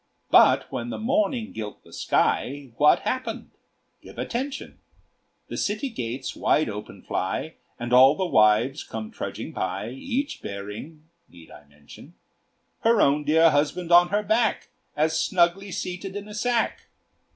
But when the morning gilt the sky. What happened? Give attention: The city gates wide open fly, And all the wives come trudging by, Each bearing need I mention? Her own dear husband on her back, All snugly seated in a sack!